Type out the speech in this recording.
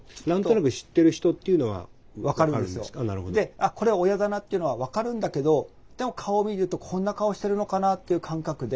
あっこれは親だなっていうのは分かるんだけどでも顔見るとこんな顔してるのかなっていう感覚で。